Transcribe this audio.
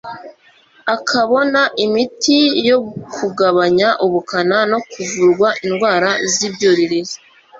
akabona imiti yo kugabanya ubukana no kuvurwa indwara z' ibyuririzi